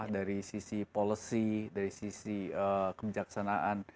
dari sisi policy dari sisi kebijaksanaan